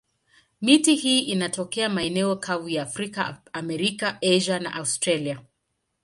Miti hii inatokea maeneo kavu ya Afrika, Amerika, Asia na Australia.